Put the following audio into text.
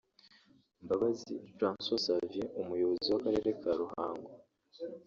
Mbabazi Francoix Xavier umuyobozi w’Akarere ka Ruhango